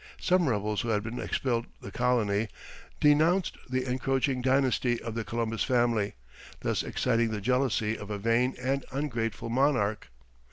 Some rebels who had been expelled the colony, denounced the encroaching dynasty of the Columbus family, thus exciting the jealousy of a vain and ungrateful monarch.